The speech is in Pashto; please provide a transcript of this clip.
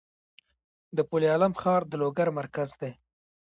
د پل علم ښار د لوګر مرکز دی